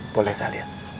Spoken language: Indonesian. boleh saya lihat